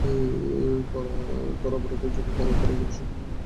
কড়া অবরোধের জন্য কারো পালিয়ে যাবার সুযোগ ছিল না।